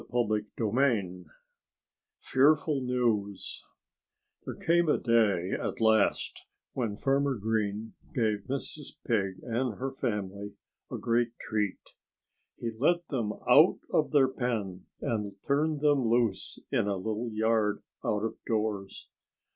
(Page 34)] VIII FEARFUL NEWS There came a day at last when Farmer Green gave Mrs. Pig and her family a great treat. He let them out of their pen and turned them loose in a little yard out of doors.